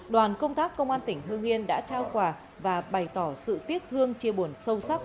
đoàn công tác công an tỉnh hương yên đã trao quà và bày tỏ sự tiếc thương chia buồn sâu sắc